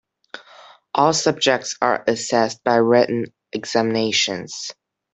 All subjects are assessed by written examinations.